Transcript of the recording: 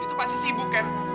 itu pasti si ibu ken